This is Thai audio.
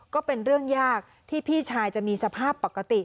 ก็เป็นเรื่องยากที่พี่ชายจะมีสภาพปกติ